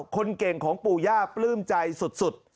คนเก่งของปู่ย่าปลื้มใจสุด